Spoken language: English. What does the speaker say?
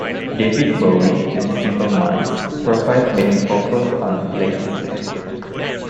David Bowie and Simple Minds provide backing vocals on "Play It Safe".